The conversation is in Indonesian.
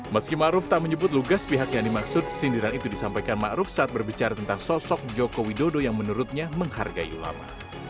meski ma'ruf tak menyebut lugas pihak yang dimaksud sindiran itu disampaikan ma'ruf saat berbicara tentang sosok jokowi dodo yang menurutnya menghargai ulama